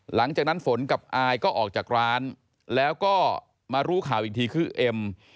หลังจากนั้นฝนกับอายก็ออกจากร้านแล้วก็มารู้ข่าวอีกทีคือเอ็ม